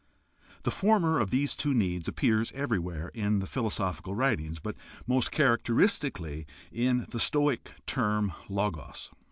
The former of these two needs appears everywhere in the philosophical writings, but most characteristically in the Stoic term "Logos."